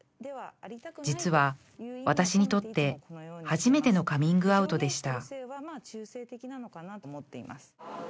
実は私にとって初めてのカミングアウトでした